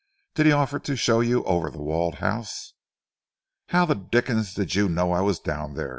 Did he offer to show you over The Walled House?" "How the dickens did you know I was down there?"